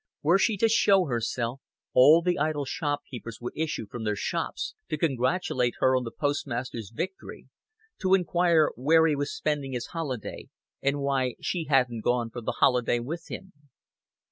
Were she to show herself, all the idle shopkeepers would issue from their shops, to congratulate her on the postmaster's victory, to inquire where he was spending his holiday and why she hadn't gone for the holiday with him.